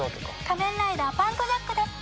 仮面ライダーパンクジャックです。